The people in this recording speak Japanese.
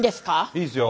いいですよ。